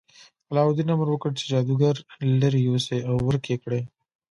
علاوالدین امر وکړ چې جادوګر لرې یوسي او ورک یې کړي.